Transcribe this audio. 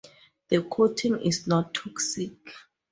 The coating is not toxic.